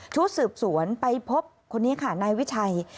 ชุดสืบสวนไปพบคนนี้ค่ะนายวิชัย